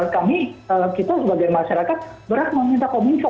kami kita sebagai masyarakat berhak meminta kominfo